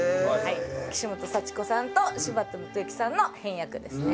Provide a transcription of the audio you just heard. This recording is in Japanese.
岸本佐知子さんと柴田元幸さんの編訳ですね。